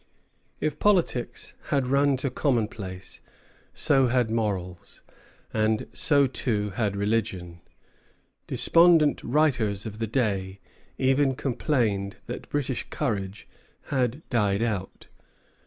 If politics had run to commonplace, so had morals; and so too had religion. Despondent writers of the day even complained that British courage had died out.